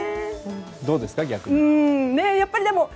どうですか、逆に。